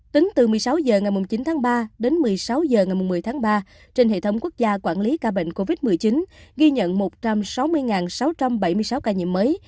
tính từ một mươi sáu h ngày chín tháng ba đến một mươi sáu h ngày một mươi tháng ba trên hệ thống quốc gia quản lý ca bệnh covid một mươi chín ghi nhận một trăm sáu mươi sáu trăm bảy mươi sáu ca nhiễm mới